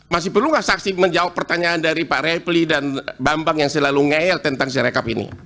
masih perlu nggak saksi menjawab pertanyaan dari pak refli dan bambang yang selalu ngehel tentang sirekap ini